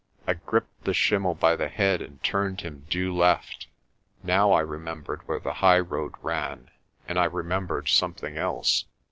I gripped the schimmel by the head and turned him due left. Now I remembered where the highroad ran and I remembered something else.